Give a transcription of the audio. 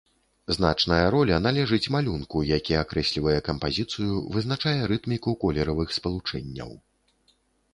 Значная роля належыць малюнку, які акрэслівае кампазіцыю, вызначае рытміку колеравых спалучэнняў.